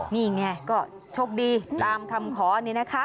นี่ไงก็โชคดีตามคำขอนี่นะคะ